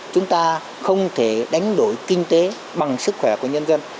chúng ta không thể đánh đổi kinh tế bằng sức khỏe của nhân dân